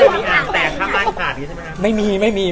ไม่เคยอ่างแตกทำบ้านขาดอย่างงี้ใช่มั้ยฮะ